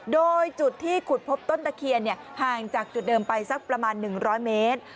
โดยจุดที่ขุดพบต้นตะเคียนห่างจากจุดเดิมไปสักประมาณ๑๐๐เมตร